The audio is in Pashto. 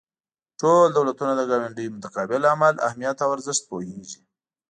ټول دولتونه د ګاونډیو متقابل عمل اهمیت او ارزښت پوهیږي